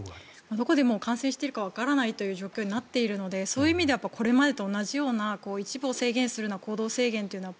どこで感染しているかわからないという状況になっているのでこれまでと同じような一部を制限するような行動制限というのは